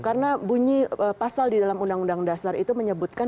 karena bunyi pasal di dalam undang undang dasar itu menyebutkan